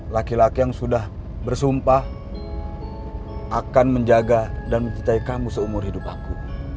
laki laki yang sudah bersumpah akan menjaga dan mencintai kamu seumur hidup aku